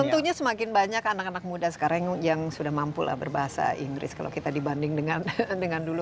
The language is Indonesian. dan tentunya semakin banyak anak anak muda sekarang yang sudah mampu berbahasa inggris kalau kita dibandingkan dulu